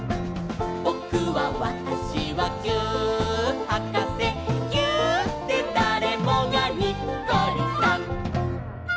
「ぼくはわたしはぎゅーっはかせ」「ぎゅーっでだれもがにっこりさん！」